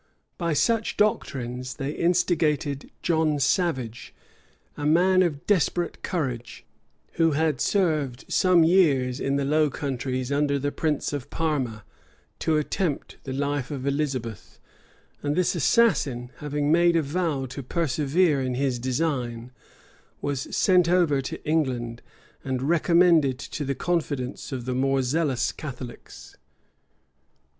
By such doctrines, they instigated John Savage, a man of desperate courage, who had served some years in the Low Countries under the prince of Parma, to attempt the life of Elizabeth; and this assassin, having made a vow to persevere in his design, was sent over to England, and recommended to the confidence of the more zealous Catholics.